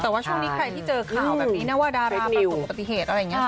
แต่ว่าช่วงนี้ใครที่เจอข่าวแบบนี้นะว่าดาราประสบอุบัติเหตุอะไรอย่างนี้